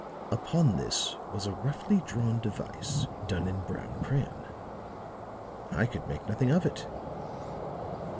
Upon this was a roughly drawn device done in brown crayon. I could make nothing of it.